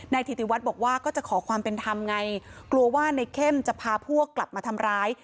ถิติวัฒน์บอกว่าก็จะขอความเป็นธรรมไงกลัวว่าในเข้มจะพาพวกกลับมาทำร้าย